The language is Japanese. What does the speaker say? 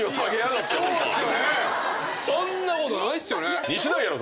そんなことないっすよね。